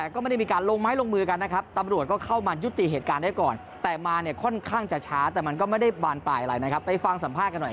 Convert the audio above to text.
เขียนข่าวลงอ่ะค่ะก็รบกวนเขียนให้หน่อยว่าเราอ่ะถูกทำร้ายร่างกาย